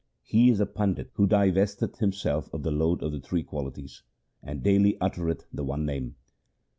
He is a pandit who divesteth himself of the load of the three qualities, And daily uttereth the one Name.